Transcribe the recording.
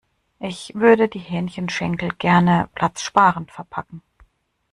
Ich würde die Hähnchenschenkel gerne platzsparend verpacken.